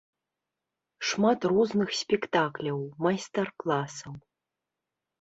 Шмат розных спектакляў, майстар-класаў!